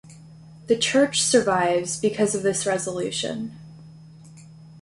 The church survives because of this resolution.